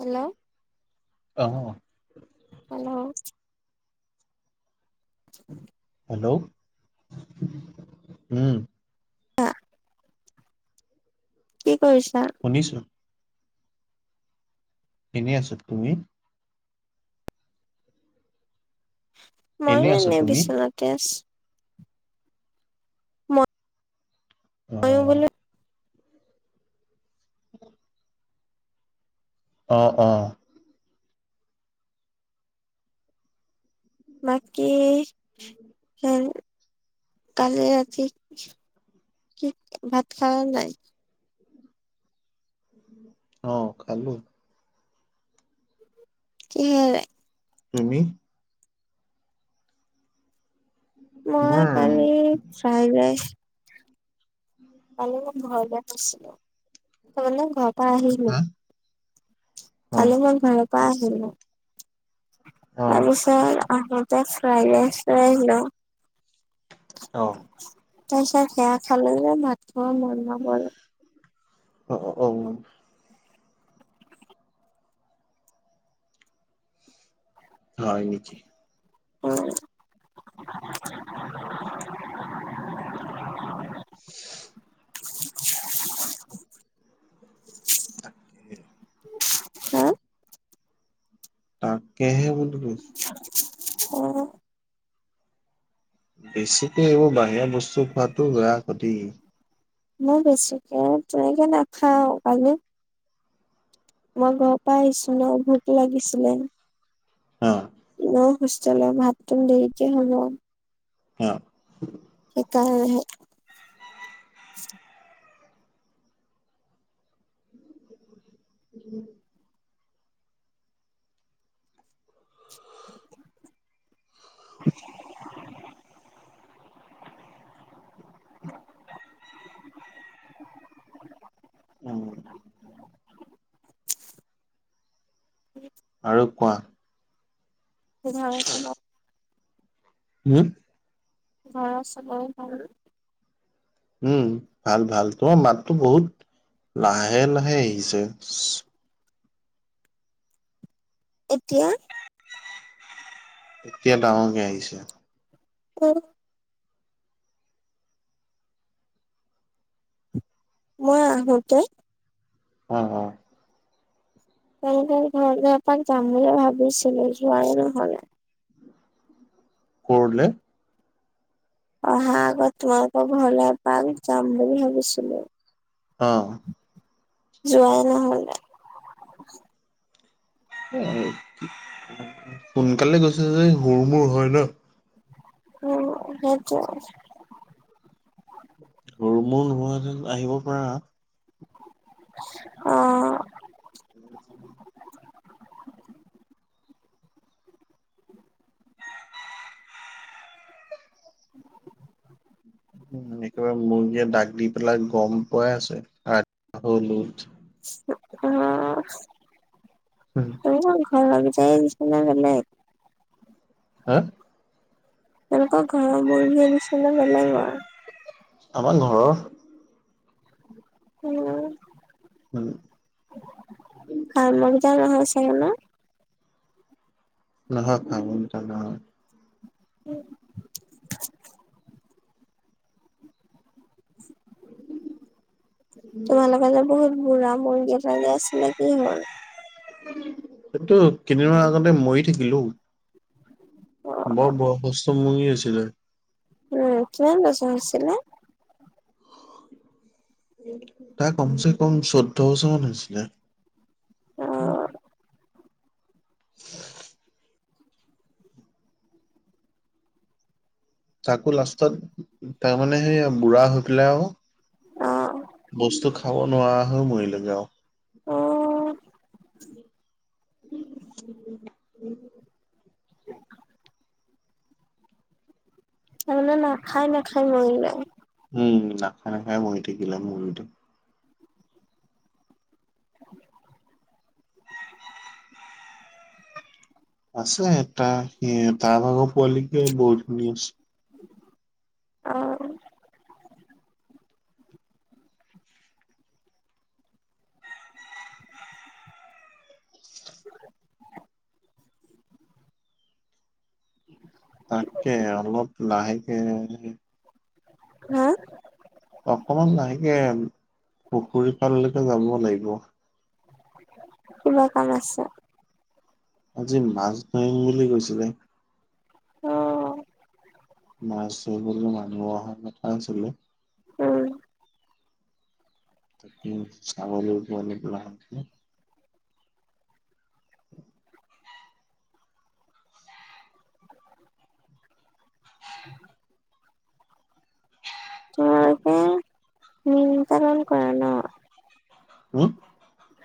Hello অ'। Hello. [inaudible] Hello উম। কি কৰিছা? শুনিছো এনে আছোঁ। তুমি? ময়ো এনেই আছো এনে তুমি বিচনাতে আছোঁ। ময়ো অ'। বোলো উম। অ', অ'। বাকী হু কালি ৰাতি কি ভাত খালে নে নাই? অ' খালোঁ। কিহেৰে? তুমি? মই তোমাৰ কালি চাই বাই। কালি ঘৰলে আছিলোঁ, গলোঁ ঘৰোৰপা আহিলোঁ। হা অ কালি মই ঘতৰপৰা আহিলোঁ, অ তাৰপিছত আহোঁতে ফ্ৰাইড ৰাইচ লৈ আহিলোঁ। অ'। তাৰপিছত সেয়া খালোঁ যে ভাত খোৱা মন নগ'ল। অ', অ', অ'। হয় নেকি? অ'। [unintelligible] [unintelligible] [unintelligible] [unintelligible] তাকে। [unintelligible] হা তাকেহে বো অ [unintelligible] বেছিকৈ এইবোৰ বাহিৰা বস্তু খোৱাতটো বেয়া ক্ষতি মই বেছিকে তেনেকে নেখাও কালে মই ঘৰৰ পৰাই আহিছো ন ভোক লাগিছিলে অ',। ন হোষ্টেলৰ ভাতটো দেৰিকে হ'ব। অ'হ। সেইকাৰানেহে উম। [unintelligible] [unintelligible] উম। [unintelligible] আৰু কোৱা। এঘ [unintelligible] হম। ঘৰৰ চবৰে ভাল। উম ভাল ভাল তোমাৰ মাততো বহুত লাহে লাহে আহিছে। এতিয়া। এতিয়া ডাঙৰকে আহিছে। ক [unintelligible] মই আহোতে উ, অ'। তেওঁলোকৰ ঘৰলৈএপাক যাম বুলি ভাবিছিলো যোৱাই নহ'লে। কৰলে। অহা আগত তোমালোকৰ ঘৰলৈ এপাক যাম বুলি ভাবিছিলোঁ। অ',। যোৱাই নহ'লে। এ সোনকালে গৈছে যে সুৰ মুৰ হয় ন। উম সেইটোৱে। [unintelligible] নোহোৱাতেন আহিব পাৰা। অ',। [inaudible] [inaudible] উ, একেবাৰে মূৰ্গীয়ে দাক দি পেলাই গম পোৱাই আছে ৰাতিপুৱা হল উঠ। [unintelligible] [unintelligible] হা। তেওঁলোকৰ ঘৰৰ মূৰ্গী দিছিলে বেলেগৰ। আমাৰ ঘৰৰ। উম [unintelligible] সে [unintelligible] না [unintelligible] উম। [inaudible] তোমালোকে যে বহুত বুঢ়া মন্দিৰে আছিল কি হ'ল? সেইটো কেইদিনমান আগতে ময় থাকিল অ'। অ', মৰি আছিলে। উম, কিমান বছৰ হৈছিলে? তাৰ কমচেকম চৈধ্য বছৰ মান হৈছিলে। অ', [unintelligible] তাকো লাষ্টত তাৰমানে সেই বুঢ়া হৈ পেলাই অ', আৰু বস্তু খাব নোৱাৰা হৈ মৰিলৈ যাওঁ অ', [unintelligible] তাৰমানে নাখাই নাখাই মৰিলে? নাখাই নাখাই মৰি থাকিলে, অ' মৰোতে। আছে এটা, হে তাৰ ভাগৰ পোৱালিকে বহুত ধুনীয়া আছে। অ', তাককে অলপ লাহেকে হা অকমান লাহেকে পুখুৰীফাললৈকে যাব লাগিব। কিবা কাম আছে? আজি মাছ ধৰিম বুলি কৈছিলে। অ', মাছ ধৰিম বুলি মানুহ অহা কথা আছিলে। উম, [unintelligible] তোমালোকে [inaudible] মীন পালন কৰা ন? উ?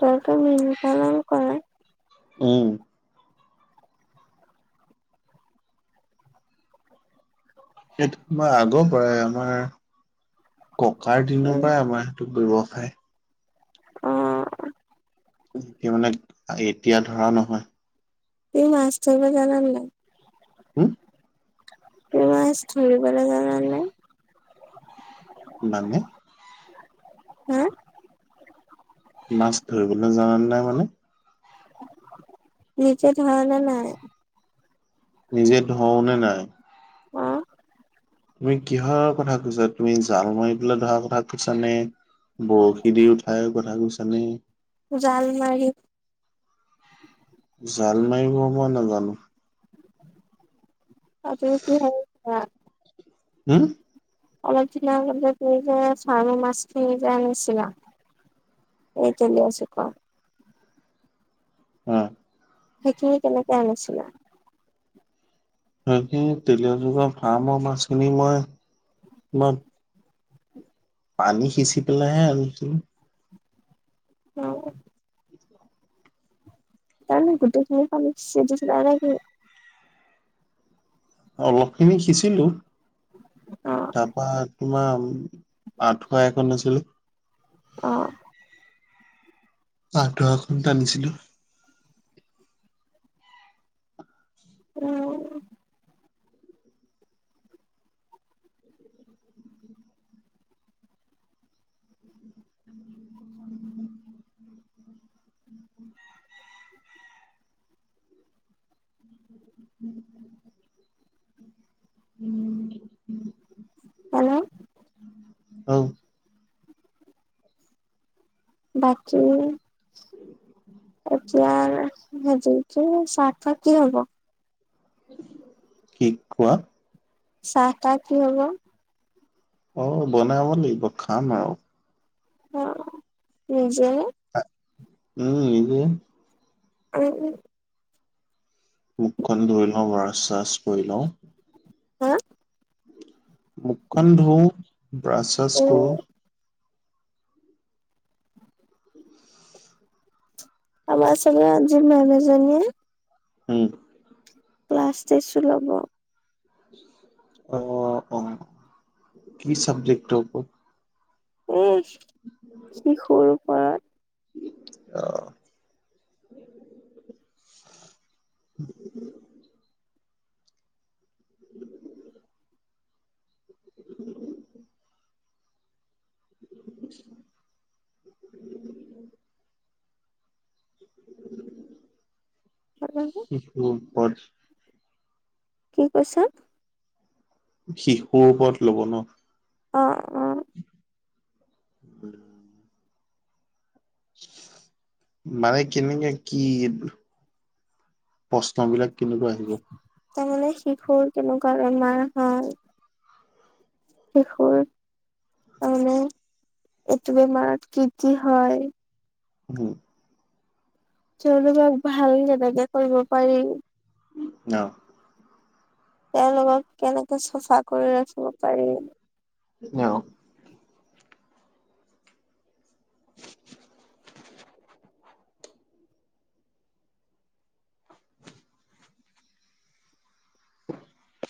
তইতো মীন পালন কৰা। উম। সেইটো মই আগৰ পৰাই আমাৰ ককাৰ উম, দিনৰপৰাই আমাৰ সেইটো ব্যৱসায়। অ', কি মানে এতিয়া ধৰা নহয়। মাছৰ ধৰিব জানা নে নাই? হু? তুমি মাছ ধৰিবলে জানা নে নাই? মানে? হে? মাছ ধৰিবলৈ নাজানিলে মানে? নিজে ধৰা নে নাই? নিজে ধৰো নে নাই? অ', তুমি কিহৰ কথা কৈছা, তুমি জাল মাৰি পেলাই ধৰাৰ কথা কৈছা নে? বৰশী দি উঠাৰ কথা কৈছানে জাল মাৰি। জাল মাৰিব মই নাজানো। তা তুমি কিহেৰে ধৰা। হু? অলপ দিনা আগতে যে ছামী মাছখিনি যে আনিছিলা। এই তেলি আছোঁ ক'ক। উম। সেইখিনি কেনেকে আনিছিলা? সেই তেল মাছখিনি, ফাৰ্মৰ মাছখিনি মই তোমাৰ পানী সিঁচি পেলাইহে আনিছিলোঁ। অ', পানী গোটেইখিনি পানী সিচি দিছিলা নেকি? অলপখিনি সিচিলোঁ অ', তাৰপা তোমাৰ আঠুৱা এখন আছিলে আহ, আ ধুৱা খ ট আনিছিলো উম, উম, উম, হম উম, উম, হেল্ল' অ', বাকী সজটো চাৰটা কি হব? শিক কোৱা? চাহটাহ কি হব? অ', বনাব লাগিব খাম আৰু অ', নিজ উম, নিজে উম, উ মুখন ধুই লওঁ ব চাছ ধই লওঁ হা মুখখন ধুও ব্ৰাছ চাছ উম, কৰোঁ আ আ চল আজি ম আমেজন ই উম, ক্লাছ টেছো ল'ব অ', অ' কি চাব্জেক্ট হ উ কি সৰু পৰা আহ উ, [inaudible] [unintelligible] উ [unintelligible] কি কৈছা? শিশুৰ ওপৰত ল'বনো? অ ', অ', উম মানে কেনকে কি? প্ৰশ্ন বিলাক কেনেকুৱা আহিব? তাৰমানে শিশুৰ কেনেকুৱা বেমাৰ হয় শিশুৰ তাৰ মে একটু বেমাৰাত কি হয় হম, তেওঁলোনোবাক ভাল যেনেকে কৰিব পাৰি অ', তেওঁলোকক কেনেকে চফা কৰি ৰাখিব পাৰি অ', [inaudible] হয়,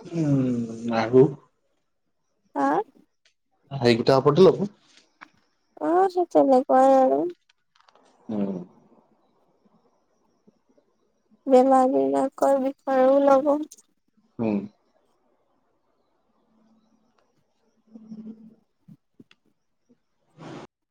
উম, আৰু হা, সেই গোটপদ লব অ সতিাল কয় আৰু উম, বেমাৰ বিলাকৰ বিষয়েও লব হম। উম।